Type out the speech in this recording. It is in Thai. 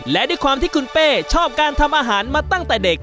และด้วยความที่คุณเป้ชอบการทำอาหารมาตั้งแต่เด็ก